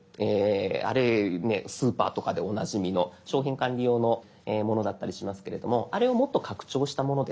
あれねスーパーとかでおなじみの商品管理用のものだったりしますけれどもあれをもっと拡張したものです。